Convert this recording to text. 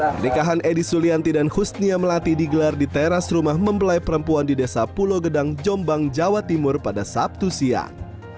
pernikahan edi sulianti dan husnia melati digelar di teras rumah membelai perempuan di desa pulau gedang jombang jawa timur pada sabtu siang